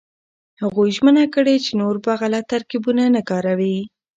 هغوی ژمنه کړې چې نور به غلط ترکيبونه نه کاروي.